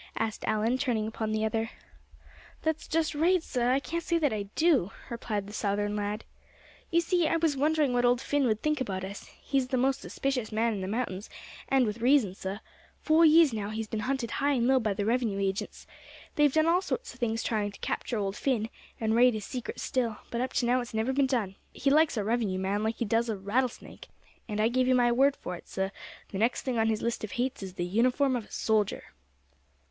asked Allan, turning upon the other. "That's just right, suh, I can't say that I do," replied the Southern lad. "You see, I was wondering what old Phin would think about us. He's the most suspicious man in the mountains, and with reason, suh. Foh years, now, he's been hunted high and low by the revenue agents. They've done all sorts of things trying to capture old Phin, and raid his secret still; but up to now it's never been done. He likes a revenue man like he does a rattlesnake; and I give you my word for it, suh, the next thing on his list of hates is the uniform of a soldier!"